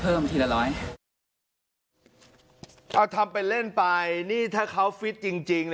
เอาทำไปเล่นไปนี่ถ้าเขาฟิตจริง